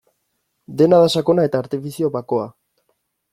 Dena da sakona eta artifizio bakoa.